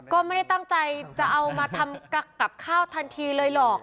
ก็ไม่ได้ตั้งใจจะเอามาทำกับข้าวทันทีเลยหรอก